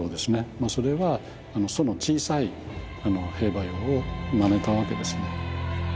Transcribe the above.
まあそれは楚の小さい兵馬俑をまねたわけですね。